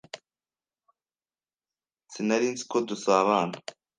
Sinari nzi ko dusabana.